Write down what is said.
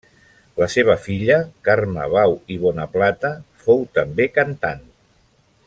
La seva filla, Carme Bau i Bonaplata, fou també cantant.